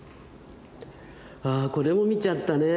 あこれも見ちゃったね。